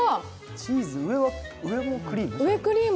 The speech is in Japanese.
チーズ、上もクリーム？